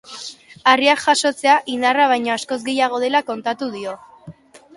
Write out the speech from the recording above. Harriak jasotzea indarra baino askoz gehiago dela kontatu dio.